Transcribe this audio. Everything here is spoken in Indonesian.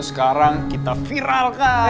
sekarang kita viralkan